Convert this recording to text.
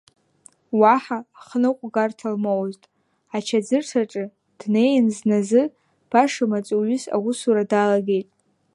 Уаҳа хныҟәгарҭа лмоузт, ачаӡырҭаҿы днеин зназы баша маҵуҩыс аусура далагеит.